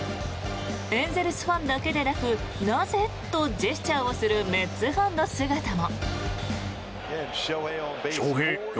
エンゼルスファンだけでなくなぜ？とジェスチャーをするメッツファンの姿も。